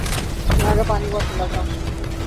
یہاں کا پانی بہت ٹھنڈا تھا ۔